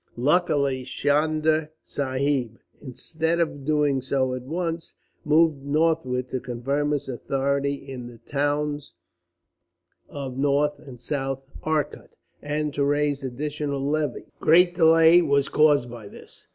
"Luckily Chunda Sahib, instead of doing so at once, moved northwards to confirm his authority in the towns of North and South Arcot, and to raise additional levies. Great delay was caused by this.